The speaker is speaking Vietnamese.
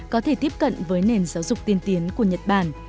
đối diện với nền giáo dục tiên tiến của nhật bản